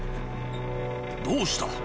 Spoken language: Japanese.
どうした？